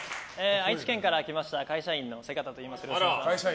愛知県から来ました会社員の瀬形といいます。